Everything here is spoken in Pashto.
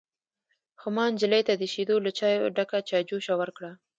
_خو ما نجلۍ ته د شيدو له چايو ډکه چايجوشه ورکړه.